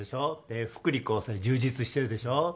で福利厚生充実してるでしょ？